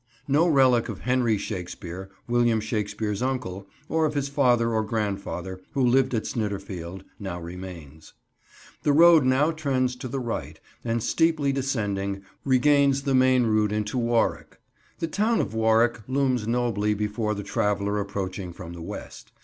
No relic of Henry Shakespeare, William Shakespeare's uncle, or of his father or grandfather, who lived at Snitterfield, now remains. The road now trends to the right, and, steeply descending, regains the main route into Warwick. The town of Warwick looms nobly before the traveller approaching from the west.